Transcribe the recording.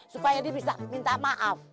supaya dia bisa minta maaf